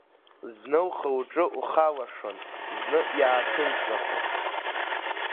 Зны лхы-лҿы лхалашон, зны иааҭынчрахон.